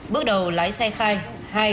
bước đầu lái xe khai